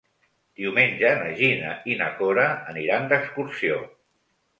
Diumenge na Gina i na Cora aniran d'excursió.